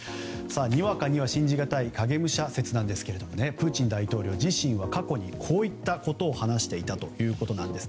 にわかには信じがたい影武者説ですがプーチン大統領自身は過去にこういったことを話していたということです。